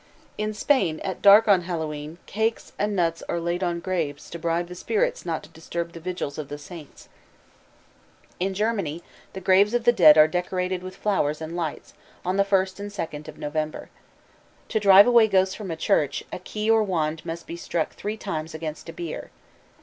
In Spain at dark on Hallowe'en cakes and nuts are laid on graves to bribe the spirits not to disturb the vigils of the saints. In Germany the graves of the dead are decorated with flowers and lights, on the first and second of November. To drive away ghosts from a church a key or a wand must be struck three times against a bier.